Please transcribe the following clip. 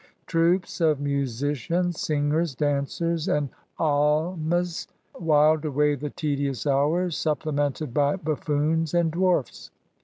Troops of musicians, singers, dancers, and almehs whiled away the tedious hours, supplemented by buffoons and dwarfs.